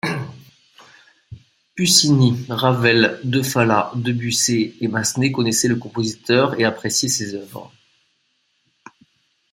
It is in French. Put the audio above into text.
Puccini, Ravel, de Falla, Debussy et Massenet connaissaient le compositeur et appréciaient ses œuvres.